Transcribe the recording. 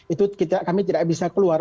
itu kami tidak bisa keluar